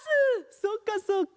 そうかそうか。